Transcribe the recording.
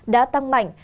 đã tăng mạnh